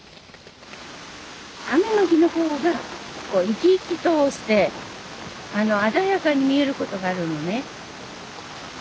雨の日の方がこう生き生きとして鮮やかに見えることがあるのね。